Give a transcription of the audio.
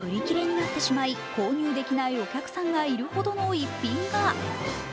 昨日は売り切れになってしまい、購入できないお客さんがいるほどの逸品が。